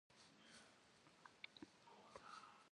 Auzxem ğuş' ğuegu şaş'.